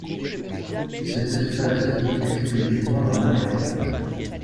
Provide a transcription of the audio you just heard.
Cette espèce vit exclusivement en Amérique.